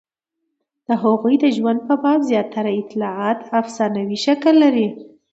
د هغوی د ژوند په باب زیاتره اطلاعات افسانوي شکل لري.